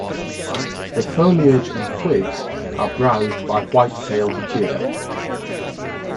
The foliage and twigs are browsed by white-tailed deer.